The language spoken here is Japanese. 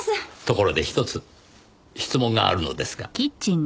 ところでひとつ質問があるのですが。